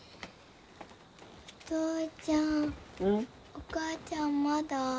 お母ちゃんまだ？